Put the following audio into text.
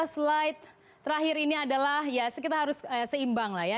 saya akan ke slide terakhir ini adalah ya kita harus seimbang lah ya